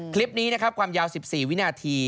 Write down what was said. คลิปนี้นะครับความยาว๑๔วินาที